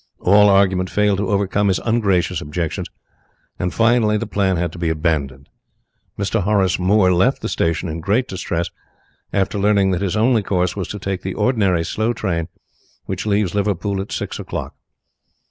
All argument failed to overcome his ungracious objections, and finally the plan had to be abandoned. Mr. Horace Moore left the station in great distress, after learning that his only course was to take the ordinary slow train which leaves Liverpool at six o'clock.